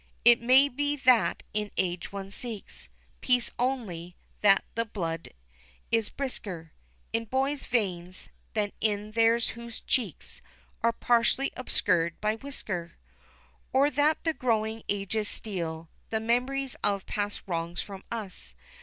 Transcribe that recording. It may be that in age one seeks Peace only: that the blood is brisker In boys' veins, than in theirs whose cheeks Are partially obscured by whisker; Or that the growing ages steal The memories of past wrongs from us.